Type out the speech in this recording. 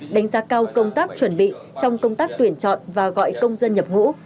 đánh giá cao công tác chuẩn bị trong công tác tuyển chọn và gọi công dân nhập ngũ